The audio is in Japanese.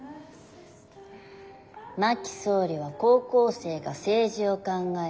真木総理は高校生が政治を考える